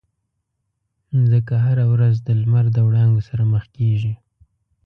مځکه هره ورځ د لمر د وړانګو سره مخ کېږي.